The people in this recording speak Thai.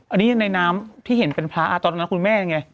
อันนี้ในน้ำที่เห็นเป็นพระตอนนั้นคุณแม่ยังไง